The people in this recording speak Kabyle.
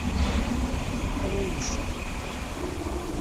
Aḍu ymecceḍ?